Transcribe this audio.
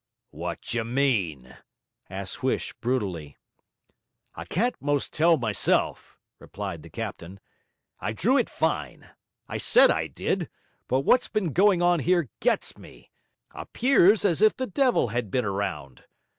'Wot ju mean?' asked Huish brutally. 'I can't 'most tell myself,' replied the captain. 'I drew it fine; I said I did; but what's been going on here gets me! Appears as if the devil had been around.